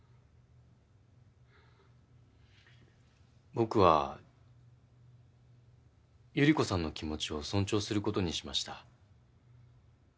僕はゆり子さんの気持ちを尊重することにしました。